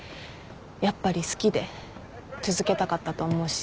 やっぱり好きで続けたかったと思うし。